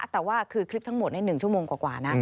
แต่ว่าคือคลิปทั้งหมด๑ชั่วโมงกว่านะ